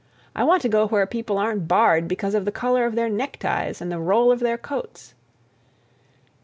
I want to go where people aren't barred because of the color of their neckties and the roll of their coats."